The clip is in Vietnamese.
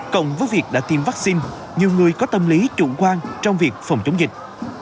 cộng với việc đã tiêm vaccine nhiều người có tâm lý chủ quan trong việc phòng chống dịch